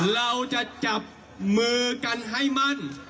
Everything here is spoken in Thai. เราจะจับมือกันให้มั่น